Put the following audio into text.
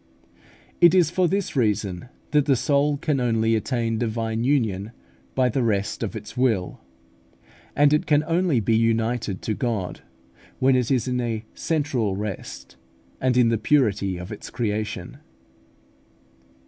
It is for this reason that the soul can only attain divine union by the rest of its will; and it can only be united to God when it is in a central rest and in the purity of its creation.